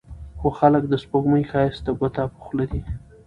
خو خلک د سپوږمۍ ښايست ته ګوته په خوله دي